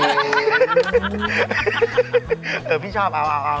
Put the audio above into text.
เผอร์พี่ชอบเอา